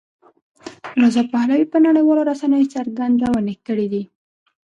رضا پهلوي په نړیوالو رسنیو څرګندونې کړې دي.